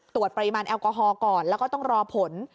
ตรวจปริมาณแอลกอฮอลก่อนแล้วก็ต้องรอผล